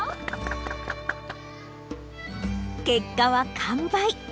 結果は完売。